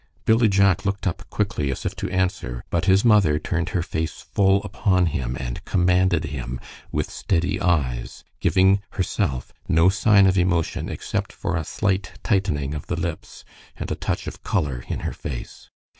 Billy Jack looked up quickly as if to answer, but his mother turned her face full upon him and commanded him with steady eyes, giving, herself, no sign of emotion except for a slight tightening of the lips and a touch of color in her face.